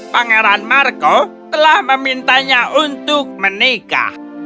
pangeran marco telah memintanya untuk menikah